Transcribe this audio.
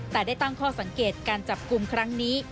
แต่ได้ตั้งข้อสังเกตการจับกลุ่มครั้งนี้